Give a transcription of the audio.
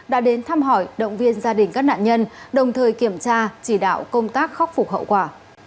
đã đến thăm hỏi động viên gia đình các nạn nhân đồng thời kiểm tra chỉ đạo công tác khắc phục hậu quả